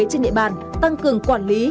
trên địa bàn tăng cường quản lý